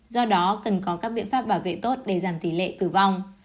do đó cần có các biện pháp bảo vệ tốt để giảm tỷ lệ tử vong